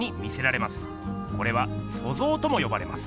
これは「塑造」ともよばれます。